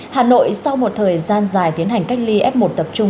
hà nội sau một thời gian dài tiến hành cách ly f một tập trung